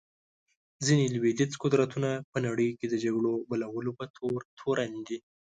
ځینې لوېدیځ قدرتونه په نړۍ کې د جګړو بلولو په تور تورن دي.